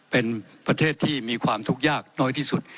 เป็นประเทศที่มีความทุกข์ยากน้อยที่สุด